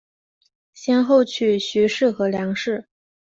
先后娶徐氏和梁氏。